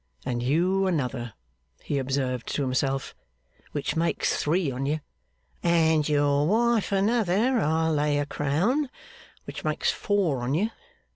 'And you another,' he observed to himself, 'which makes three on you. And your wife another, I'll lay a crown. Which makes four on you.